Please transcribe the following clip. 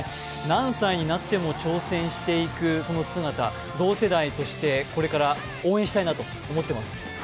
何歳になっても挑戦していくその姿、同世代としてこれから応援したいなと思ってます。